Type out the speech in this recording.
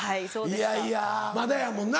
いやいやまだやもんな？